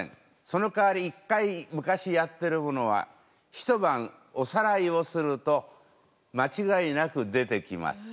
そのかわり一回昔やってるものはひとばんおさらいをするとまちがいなく出てきます。